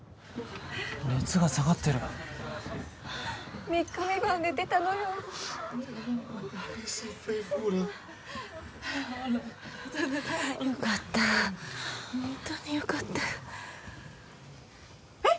熱が下がってる三日三晩寝てたのよよかったほんとによかったえっ？